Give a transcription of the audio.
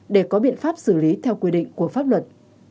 để có biện pháp xử lý theo quy định của pháp luật